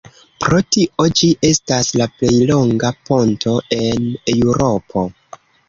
Pro tio ĝi estas la plej longa ponto en Eŭropo.